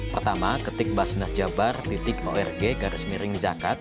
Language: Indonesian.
pertama ketik basnasjawabar org